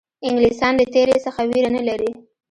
انګلیسیان له تېري څخه وېره نه لري.